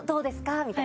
みたいな？